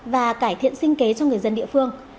và cải thiện sinh kế cho người dân địa phương